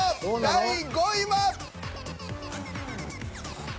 第５位は。